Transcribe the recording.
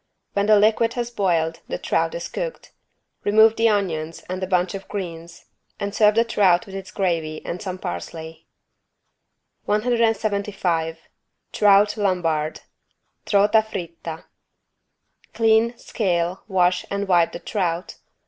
When the liquid has boiled the trout is cooked. Remove the onions and the bunch of greens and serve the trout with its gravy and some parsley. 175 TROUT LOMBARD (Trota fritta) Clean, scale, wash and wipe the trout.